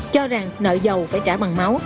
cho rằng nợ dầu phải trả bằng máu